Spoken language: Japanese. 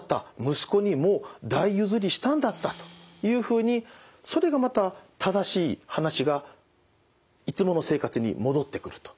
息子にもう代譲りしたんだったというふうにそれがまた正しい話がいつもの生活に戻ってくると。